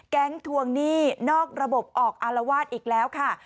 ทวงหนี้นอกระบบออกอารวาสอีกแล้วค่ะ